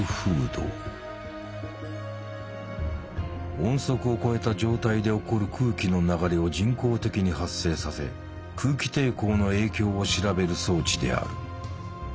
音速を超えた状態で起こる空気の流れを人工的に発生させ空気抵抗の影響を調べる装置である。